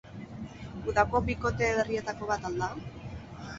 Udako bikote berrietako bat al da?